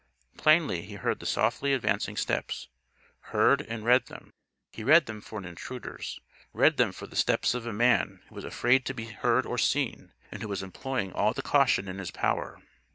Plainly, he heard the softly advancing steps heard and read them. He read them for an intruder's read them for the steps of a man who was afraid to be heard or seen, and who was employing all the caution in his power.